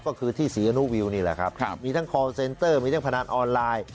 ก็คือที่ศรีอนุวิวนี่แหละครับมีทั้งคอลเซนเตอร์มีทั้งพนันออนไลน์